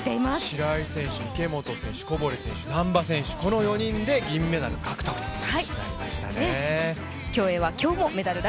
白井選手、池本選手小堀選手、難波選手、この４人で銀メダル獲得となりましたね。